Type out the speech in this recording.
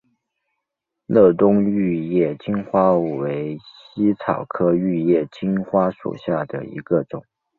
乐东玉叶金花为茜草科玉叶金花属下的一个种。